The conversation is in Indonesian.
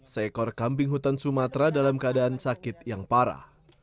seekor kambing hutan sumatera dalam keadaan sakit yang parah